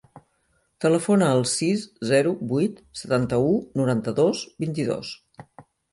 Telefona al sis, zero, vuit, setanta-u, noranta-dos, vint-i-dos.